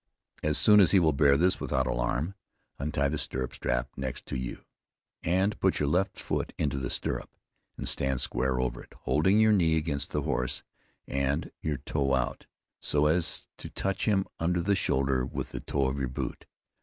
As soon as he will bear this without alarm, untie the stirrup strap next to you, and put your left foot into the stirrup, and stand square over it, holding your knee against the horse, and your toe out, so as to touch him under the shoulder with the toe of your boot.